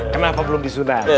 kenapa belum disunat